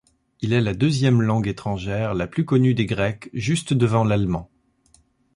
Il est la deuxième langue étrangère la plus connue des Grecs juste devant l'allemand.